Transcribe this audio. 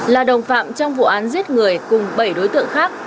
là đồng phạm trong vụ án giết người cùng bảy đối tượng khác